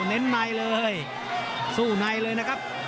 เน้นในเลยสู้ในเลยนะครับ